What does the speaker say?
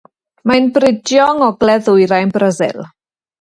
Mae'n bridio yng ngogledd ddwyrain Brasil.